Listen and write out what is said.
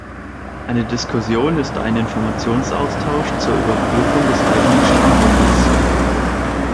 Eine Diskussion ist ein Informationsaustausch zur Überprüfung des eigenen Standpunktes.